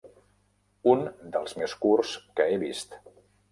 Un dels més curts que he vist.